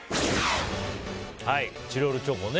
チロルチョコね